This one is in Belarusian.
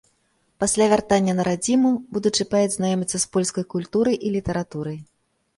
Пасля вяртання на радзіму будучы паэт знаёміцца з польскай культурай і літаратурай.